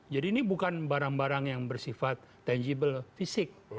jadi ini bukan barang barang yang bersifat tangible fisik